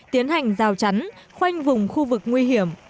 tiến hành rào chắn khoanh vùng khu vực nguy hiểm